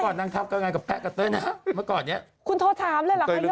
คุณโทษทำเลยละเขาเลี่ยวท้ายเลย